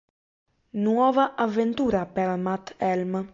Nuova avventura per Matt Helm.